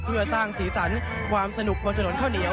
เพื่อสร้างสีสันความสนุกบนถนนข้าวเหนียว